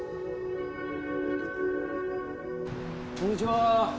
こんにちは。